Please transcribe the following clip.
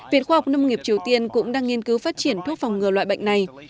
viện khoa học nông nghiệp triều tiên cũng đang nghiên cứu phát triển thuốc phòng ngừa loại bệnh này